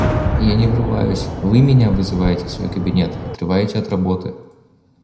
Я не врываюсь, Вы меня вызываете в свой кабинет, отрываете от работы.